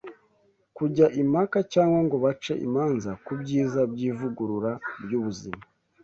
kujya impaka cyangwa ngo bace imanza ku byiza by’ivugurura ry’ubuzima.